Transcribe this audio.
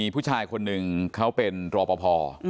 ผู้ชายคนหนึ่งเขาเป็นรอปภ